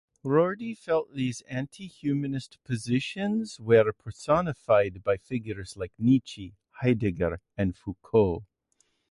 Rorty felt these anti-humanist positions were personified by figures like Nietzsche, Heidegger, and Foucault.